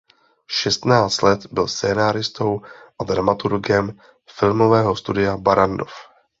Šestnáct let byl scenáristou a dramaturgem Filmového studia Barrandov.